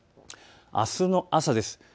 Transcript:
あすの朝です。